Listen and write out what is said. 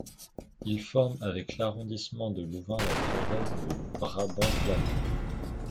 Il forme avec l'arrondissement de Louvain la province du Brabant flamand.